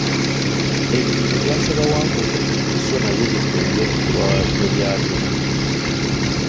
Ebinyonyi byasaba Wankoko empiso nabyo bitunge ebiwawaatiro byabyo.